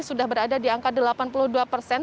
sudah berada di angka delapan puluh dua persen